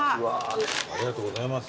ありがとうございます。